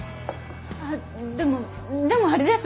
でもでもあれです